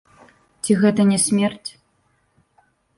Ці гэта не смерць?